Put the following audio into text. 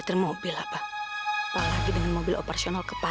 sampai jumpa di video selanjutnya